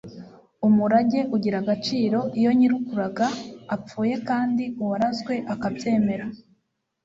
umurage ugira agaciro iyo nyir'ukuraga apfuye kandi uwarazwe akabyemera